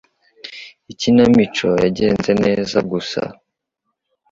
Ikinamico yagenze neza gusa.